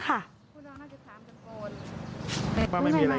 เขาไม่มีอะไรกันใช่ไหมไม่ค่ะ